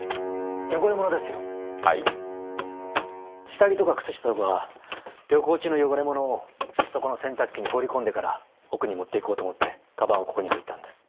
下着とか靴下とか旅行中の汚れ物をそこの洗濯機に放り込んでから奥に持っていこうと思って鞄をここに置いたんです。